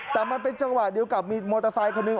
แต่มันเป็นจังหวะเดียวกับมีมอเตอร์ไซคันหนึ่ง